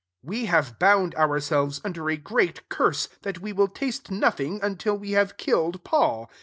We havo bound ourselves iBder a great curse, that we ritftasle nothing until we have iUed Paul.